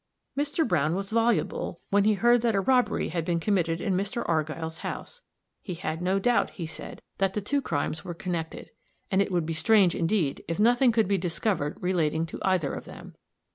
Mr. Browne was voluble when he heard that a robbery had been committed in Mr. Argyll's house. He had no doubt, he said, that the two crimes were connected, and it would be strange, indeed, if nothing could be discovered relating to either of them.